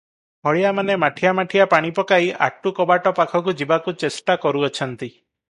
ହଳିଆମାନେ ମାଠିଆ ମାଠିଆ ପାଣି ପକାଇ ଆଟୁ କବାଟ ପାଖକୁ ଯିବାକୁ ଚେଷ୍ଟା କରୁଅଛନ୍ତି ।